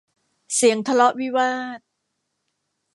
เสียงทะเลาะวิวาท